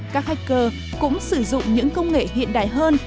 các hacker cũng sử dụng những công nghệ hiện đại hơn